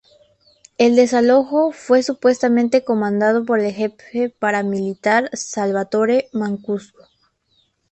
El desalojo fue supuestamente comandado por el jefe paramilitar Salvatore Mancuso.